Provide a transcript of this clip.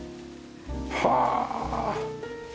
はあ。